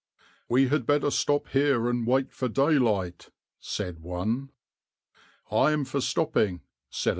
\par "We had better stop here and wait for daylight," said one.\par "I'm for stopping," said another.